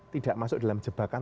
tidak masuk dalam jebakan